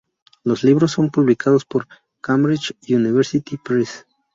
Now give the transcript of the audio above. Los libros son publicados por Cambridge University Press.